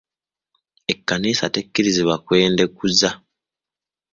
Ekkanisa tekkiriza kwendekuza.